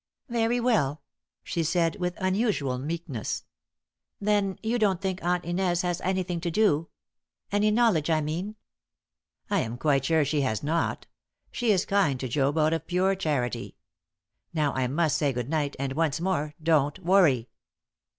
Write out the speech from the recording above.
"Very well," she said, with unusual meekness. "Then you don't think Aunt Inez has anything to do any knowledge, I mean?" "I am quite sure she has not. She is kind to Job out of pure charity. Now I must say good night and, once more, don't worry."